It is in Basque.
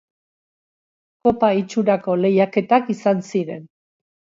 Kopa itxurako lehiaketak izan ziren.